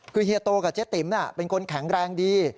คือเฮียโตกับเจ๊ติ๋มเป็นคนแข็งแรงดี